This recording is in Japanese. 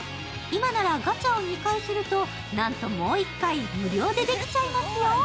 今ならガチャを２回するとなんともう一回無料でできちゃいますよ。